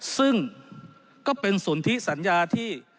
ซึ่งก็เป็นสนทิสัญญาที่